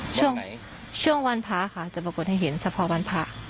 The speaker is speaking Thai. ช่วงช่วงวันพระค่ะจะปรากฏให้เห็นเฉพาะวันพระ